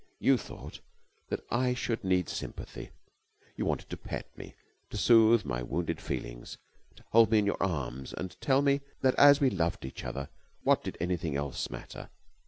You thought that I should need sympathy. You wanted to pet me, to smooth my wounded feelings, to hold me in your arms, and tell me that, as we loved each other, what did anything else matter?"